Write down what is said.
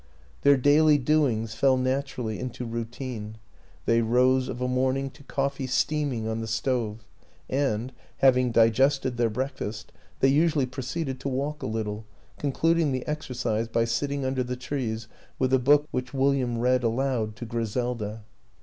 Their daily doings fell naturally into routine; they rose of a morn ing to coffee steaming on the stove ; and, having digested their breakfast, they usually proceeded to walk a little, concluding the exercise by sitting under the trees with a book which William read 50 WILLIAM AN ENGLISHMAN aloud to Griselda.